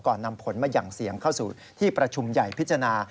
นำผลมาหั่งเสียงเข้าสู่ที่ประชุมใหญ่พิจารณา